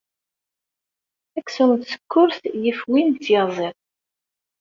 Aksum n tsekkurt yif win n tyaziḍt.